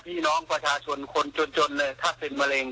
พี่น้องประชาชนคนจนเลยถ้าเป็นมะเร็ง